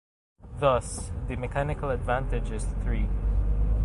Thus, the mechanical advantage is three.